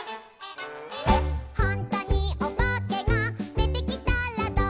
「ほんとにおばけがでてきたらどうしよう」